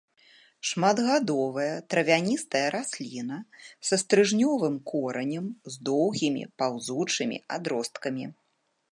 Шматгадовая травяністая расліна са стрыжнёвым коранем з доўгімі паўзучымі адросткамі.